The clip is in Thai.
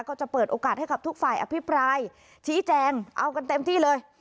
ก็จะเปิดโอกาสให้กับทุกฝ่ายอภิปรายชี้แจงเอากันเต็มที่เลย